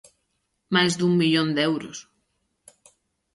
Máis dun millón de euros.